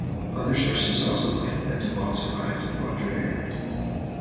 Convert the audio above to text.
Other sources also claim that Duval survived Baudelaire.